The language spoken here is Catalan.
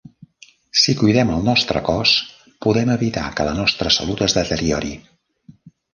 Si cuidem el nostre cos, podem evitar que la nostra salut es deteriori.